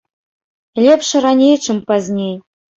Лепш раней, чым пазней.